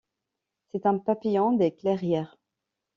C'est un papillon des clairières.